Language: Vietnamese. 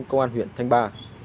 công an huyện thanh ba